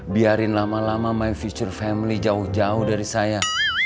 biarin lama lama main future family jauh jauh dari saya